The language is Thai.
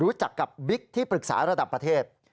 รู้จักกับบิ๊กที่ปรึกษาระดับประเทศ